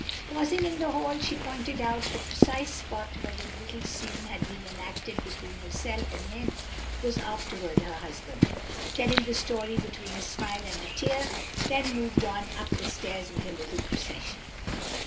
Pausing in the hall, she pointed out the precise spot where the little scene had been enacted between herself and him who was afterward her husband, telling the story between a smile and a tear, then moved on up the stairs with her little procession.